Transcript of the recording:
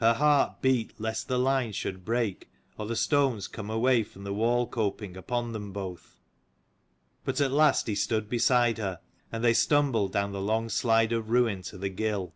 Her heart beat lest the line should break, or the stones come away from the wall coping upon them both: but at last he stood beside her, and they stumbled down the long slide of ruin to the gill.